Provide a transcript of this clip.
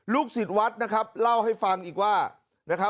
ลูกศิษย์วัดนะครับเล่าให้ฟังอีกว่า